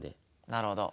なるほど。